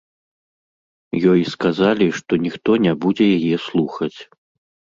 Ёй сказалі, што ніхто не будзе яе слухаць.